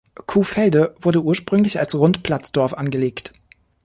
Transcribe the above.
Kuhfelde wurde ursprünglich als Rundplatzdorf angelegt.